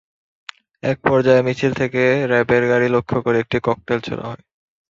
একপর্যায়ে মিছিল থেকে র্যাবের গাড়ি লক্ষ্য করে একটি ককটেল ছোড়া হয়।